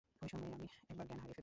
ঐসময়েই আমি একবার জ্ঞান হারিয়ে ফেলি।